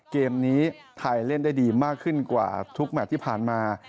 เกมนี้ไทยเล่นได้ดีมากขึ้นกว่าทุกแมทที่ผ่านมา